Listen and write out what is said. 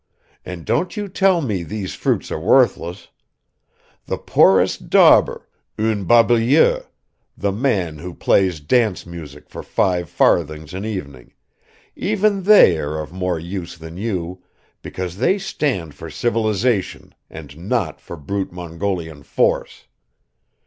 And don't you tell me these fruits are worthless; the poorest dauber, un barbouilleur, the man who plays dance music for five farthings an evening, even they are of more use than you because they stand for civilization and not for brute Mongolian force!